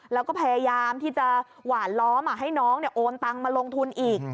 แล้วก็พยายามที่จะหวานล้อมให้น้องโอนตังมาลงทุนอีก